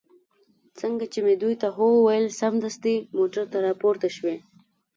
څنګه چې مې دوی ته هو وویل، سمدستي موټر ته را پورته شوې.